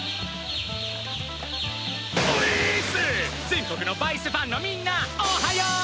全国のバイスファンのみんなおはよう！